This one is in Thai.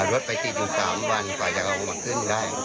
รถไปติดอยู่๓วันกว่าจะเอารถขึ้นได้